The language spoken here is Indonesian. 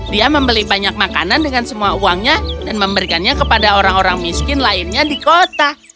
dia membeli banyak makanan dengan semua uangnya dan memberikannya kepada orang orang miskin lainnya di kota